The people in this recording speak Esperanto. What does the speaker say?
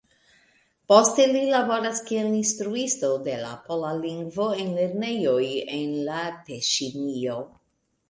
Poste li laboras kiel instruisto de la pola lingvo en lernejoj en la Teŝinio.